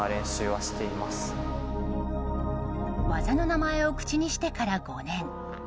技の名前を口にしてから５年。